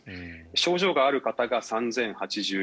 症状がある方が３０８４人。